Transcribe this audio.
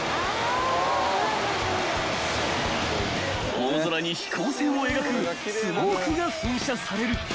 ［大空に飛行線を描くスモークが噴射される］